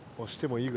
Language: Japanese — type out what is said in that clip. いい！